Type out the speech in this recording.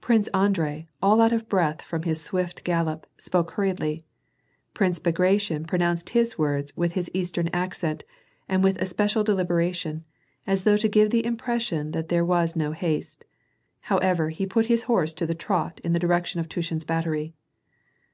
Prince Andrei, all out of breath from his swift gallop, spoke hurriedly. Prince Bagration pro nounced his words with his eastern accent, and with especial deUberation, as though to give the impression that there was no haste. However he put his horse to the trot in the direction of Tnshin's battery.